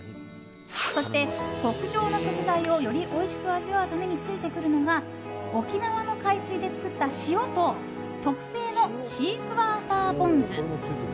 そして極上の食材をよりおいしく味わうためについてくるのが沖縄の海水で作った塩と特製のシークヮーサーポン酢。